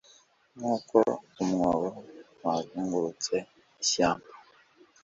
nkuko umwobo wazungurutse ishyamba